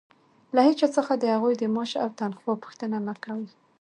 له هيچا څخه د هغوى د معاش او تنخوا پوښتنه مه کوئ!